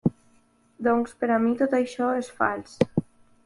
Doncs, per a mi tot això es fals.